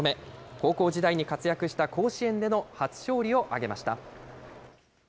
高校時代に活躍した甲子園での初勝利を挙げました。